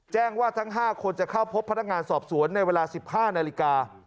แจ้งว่าทั้ง๕คนจะเข้าพบพนักงานสอบสวนในเวลา๑๕นาฬิกา